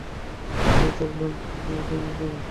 বায, আপনাকে আমাদের প্রয়োজন।